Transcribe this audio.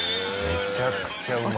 めちゃくちゃうまい。